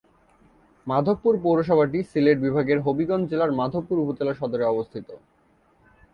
মাধবপুর পৌরসভাটি সিলেট বিভাগের হবিগঞ্জ জেলার মাধবপুর উপজেলা সদরে অবস্থিত।